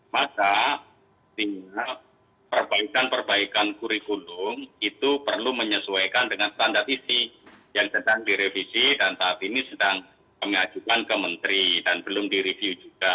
maka perbaikan perbaikan kurikulum itu perlu menyesuaikan dengan standar isi yang sedang direvisi dan saat ini sedang kami ajukan ke menteri dan belum direview juga